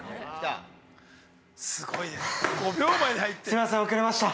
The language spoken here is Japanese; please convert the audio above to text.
◆すみません、遅れました！